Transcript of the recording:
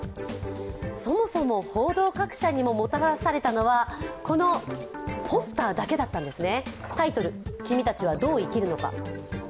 そもそも報道各社にもたらされたのはこのポスターだけだったんですね。